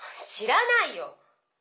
知らないよ！